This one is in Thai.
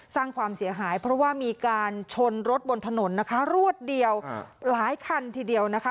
สร้างความเสียหายเพราะว่ามีการชนรถบนถนนนะคะรวดเดียวหลายคันทีเดียวนะคะ